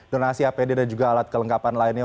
donasi apd dan juga alat kelengkapan lainnya